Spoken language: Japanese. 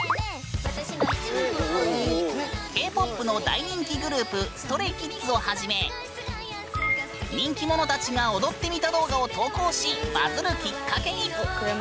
Ｋ−ＰＯＰの大人気グループＳｔｒａｙＫｉｄｓをはじめ人気者たちが踊ってみた動画を投稿しバズるきっかけに！